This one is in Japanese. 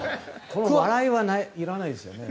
この笑いはいらないですよね。